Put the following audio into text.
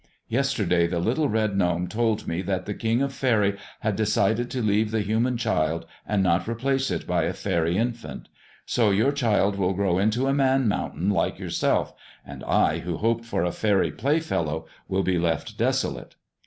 Yesterday the little red gnome told me that the King of Faery had decided to leave the human child and not replace it by a faery infant. So your child will grow into a man mountain like yourself, and I who hoped for a faery playfellow will be left desolate.'